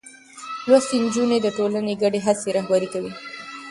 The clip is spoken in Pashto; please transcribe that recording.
لوستې نجونې د ټولنې ګډې هڅې رهبري کوي.